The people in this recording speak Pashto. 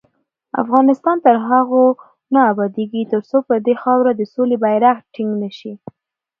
افغانستان تر هغو نه ابادیږي، ترڅو پر دې خاوره د سولې بیرغ ټینګ نشي.